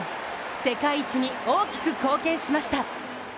世界一に大きく貢献しました。